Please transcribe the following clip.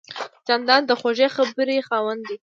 جانداد د خوږې خبرې خاوند دی.